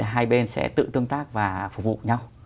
hai bên sẽ tự tương tác và phục vụ nhau